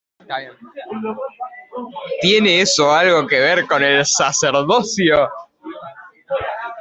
¿ tiene eso algo que ver con el sacerdocio?